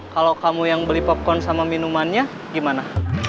kalau kamu yang beli popcon sama minumannya gimana